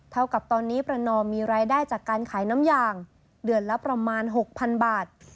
เท่ากับตอนนี้ประนอมมีรายได้จากการขายน้ำยางเดือนละประมาณ๖๐๐๐บาท